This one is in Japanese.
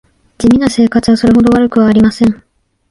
地味な生活はそれほど悪くはありません